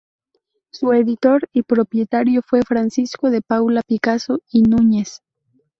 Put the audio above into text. Su editor y propietario fue Francisco de Paula Picazo y Núñez.